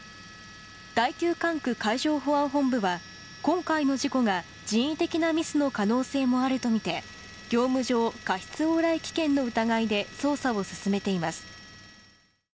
第九管区海上保安本部は今回の事故が人為的なミスの可能性もあるとみて業務上過失往来危険の疑いで捜査を進めています。